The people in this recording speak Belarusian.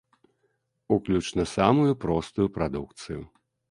Уключна самую простую прадукцыю.